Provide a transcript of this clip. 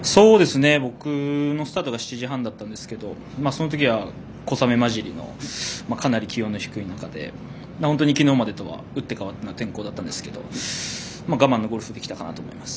僕のスタートが７時半だったんですけどそのときは、小雨交じりのかなり気温が低い中で本当に昨日までとは打って変わっての天候でしたが我慢のゴルフができたかなと思います。